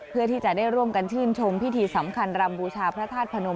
เพื่อที่จะได้ร่วมกันชื่นชมพิธีสำคัญรำบูชาพระธาตุพนม